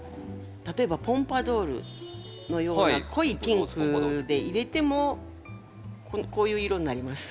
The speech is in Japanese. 例えばポンパドゥールのような濃いピンクでいれてもこういう色になります。